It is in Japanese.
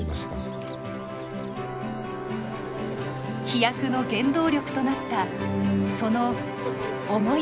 飛躍の原動力となったその思いとは。